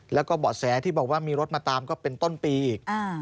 แล้วก็เบาะแสที่บอกว่ามีรถมาตามก็เป็นต้นปีอีก